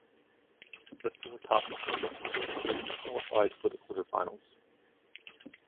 The four top teams in each group qualified for the quarter-finals.